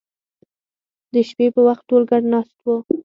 د شپې په وخت ټول ګډ ناست وو